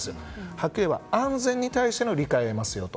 はっきり言えば安全に対しての理解を得ますよと。